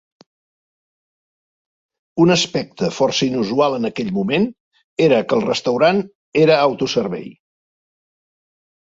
Un aspecte, força inusual en aquell moment, era que el restaurant era autoservei.